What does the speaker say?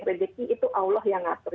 rezeki itu allah yang ngatur